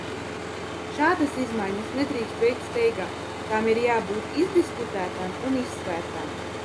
Šādas izmaiņas nedrīkst veikt steigā, tām ir jābūt izdiskutētām un izsvērtām.